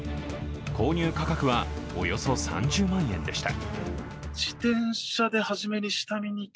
購入価格はおよそ３０万円でした。